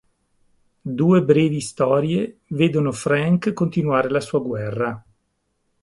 Due brevi storie vedono Frank continuare la sua guerra.